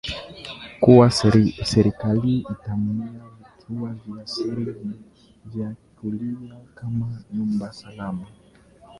kuwa serikali inatumia vituo vya siri vinavyojulikana kama nyumba salama